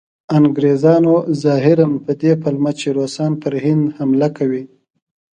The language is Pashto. انګریزانو ظاهراً په دې پلمه چې روسان پر هند حمله کوي.